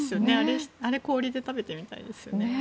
あれ、氷で食べてみたいですよね。